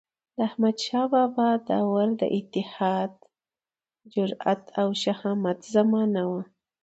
د احمدشاه بابا دور د اتحاد، جرئت او شهامت زمانه وه.